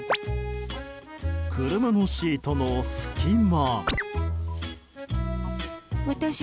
車のシートの隙間。